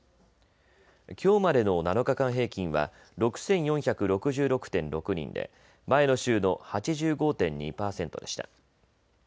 きょうまでの７日間平均は６４６６．６人で前の週の８５．２％でした。